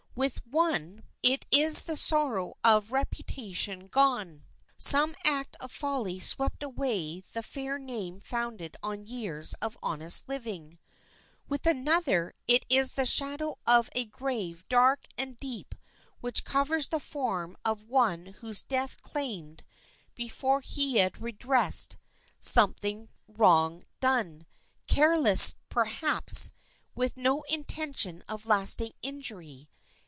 With one, it is the sorrow of a reputation gone,—some act of folly swept away the fair name founded on years of honest living. With another, it is the shadow of a grave dark and deep which covers the form of one whom death claimed before he had redressed some wrong done, carelessly perhaps, and with no intention of lasting injury.